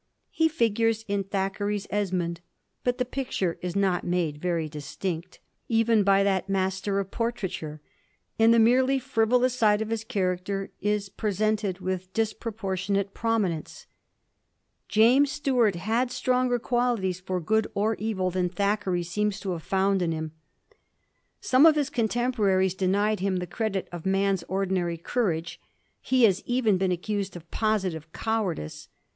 He figures in Thackeray's * Esmond,' but the picture is not made very distinct, ^7 even by that master of portraiture ; and the merely fiivolous side of his character is presented with dis proportionate prominence. James Stuart had stronger qualities for good or evil than Thackeray seems to Digiti zed by Google 16 A HISTORY OF THE FOUR GEORGES. ch. i. have found in him. Some of his contemporaries denied him the credit of man's ordinary courage ; he has even been accused of positive cowardice.